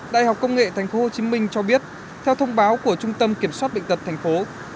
đại học công nghệ tp hcm cho biết theo thông báo của trung tâm kiểm soát bệnh tật tp